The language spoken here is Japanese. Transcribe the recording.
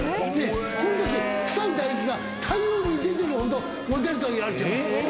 このとき臭い唾液が大量に出てるほどモテるといわれてます。